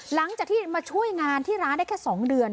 หลังจากที่มาช่วยงานที่ร้านได้แค่๒เดือน